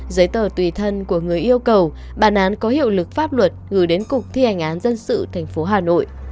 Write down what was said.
giấy tờ tùy thân của người yêu cầu bản án có hiệu lực pháp luật gửi đến cục thi hành án dân sự tp hà nội